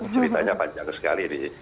ceritanya panjang sekali